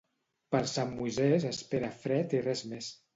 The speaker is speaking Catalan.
Per Sant Moisés espera fred i res més.